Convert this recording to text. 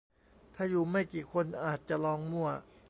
ถ้าอยู่ไม่กี่คนอาจจะลองมั่ว